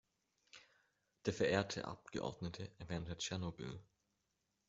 Der verehrte Abgeordnete erwähnte Tschernobyl.